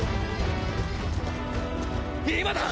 今だ！